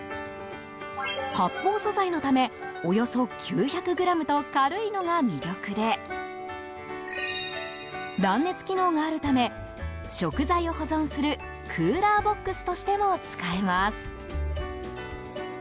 発泡素材のためおよそ９００ｇと軽いのが魅力で断熱機能があるため食材を保存するクーラーボックスとしても使えます。